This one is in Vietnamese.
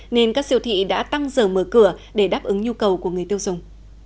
nên các siêu thị đã tăng giờ mở cửa để đáp ứng nhu cầu của người tiêu dùng